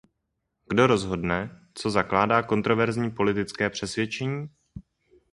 Kdo rozhodne, co zakládá kontroverzní politické přesvědčení?